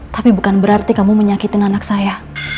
tapi bukan berarti kamu menyakitin anak saya